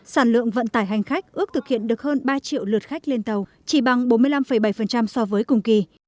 sản lượng vận tải hành khách ước thực hiện được hơn ba triệu lượt khách lên tàu chỉ bằng bốn mươi năm bảy so với cùng kỳ